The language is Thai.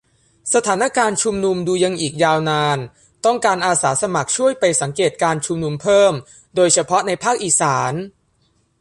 สถานการณ์ชุมนุม ดูยังอีกยาวนาน ต้องการอาสาสมัครช่วยไปสังเกตการณ์ชุมนุมเพิ่ม โดยเฉพาะในภาคอีสาน